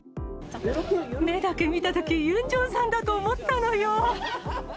目だけ見たとき、ユンジョンさんだと思ったのよ。